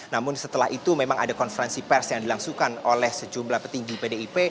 namun setelah itu memang ada konferensi pers yang dilangsungkan oleh sejumlah petinggi pdip